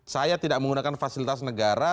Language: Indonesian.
saya tidak menggunakan fasilitas negara